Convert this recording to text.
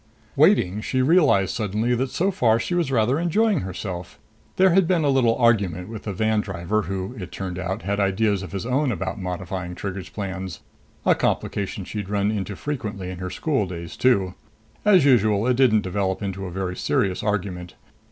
Waiting, she realized suddenly that so far she was rather enjoying herself. There had been a little argument with the van driver who, it turned out, had ideas of his own about modifying Trigger's plans a complication she'd run into frequently in her school days too. As usual, it didn't develop into a very serious argument.